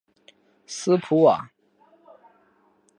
斯普瓦。